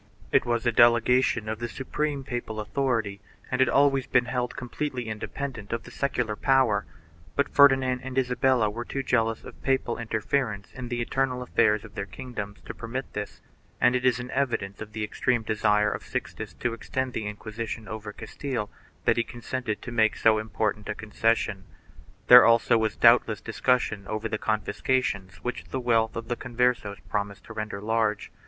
It was a delegation of the supreme papal authority and had always been held completely independent of the secular power, but Ferdinand and Isabella were too jealous of papal interference in the internal affairs of their kingdoms to permit this, and it is an evidence of the i extreme desire of Sixtus to extend the Inquisition over Castile that he consented to make so important a concession. There also was doubtless discussion over the confiscations which the wealth of the Converses promised to render large.